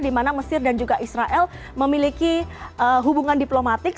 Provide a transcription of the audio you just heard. dimana mesir dan juga israel memiliki hubungan diplomatik